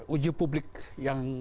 uji publik yang